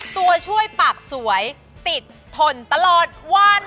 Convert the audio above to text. ตัวช่วยปากสวยติดทนตลอดวัน